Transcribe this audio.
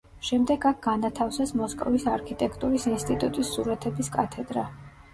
შემდეგ აქ განათავსეს მოსკოვის არქიტექტურის ინსტიტუტის სურათების კათედრა.